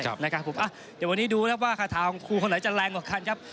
เดี๋ยววันนี้ดูครับว่าคาถาของครูคนไหนจะแรงกว่ากันครับ